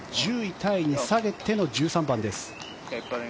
タイに下げての１３番です。